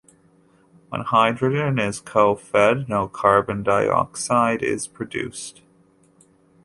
When hydrogen is co-fed, no carbon dioxide is produced.